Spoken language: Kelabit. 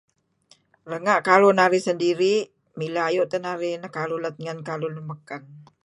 Renga' karuh narih sendiri' milh ayu' teh narih nekauh lat ngen karuhlun baken.